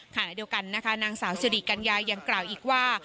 ขณะเดียวกันนะคะนางสาวสิริกัญญายังกล่าวอีกว่า